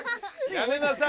やめなさい。